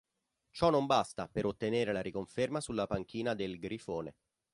Ciò non basta per ottenere la riconferma sulla panchina del "Grifone".